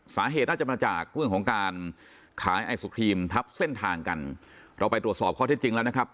สาเหตุน่าจะมาจากเรื่องของการขายไอศครีมทับเส้นทางกันเราไปตรวจสอบข้อเท็จจริงแล้วนะครับ